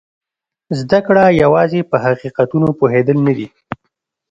زده کړه یوازې په حقیقتونو پوهېدل نه دي.